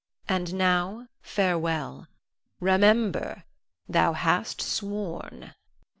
And now, farewell. Remember, thou hast sworn.